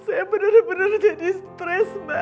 saya benar benar jadi stres mbak